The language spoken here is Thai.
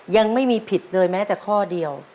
ยังไม่มีผิดเลยแม้แต่ข้อเดียว